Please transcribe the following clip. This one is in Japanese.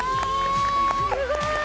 すごい！